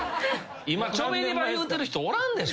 今「チョベリバ」言うてる人おらんでしょ。